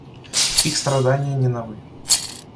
Их страдания не новы.